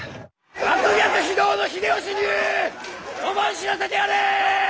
悪逆非道の秀吉に思い知らせてやれ！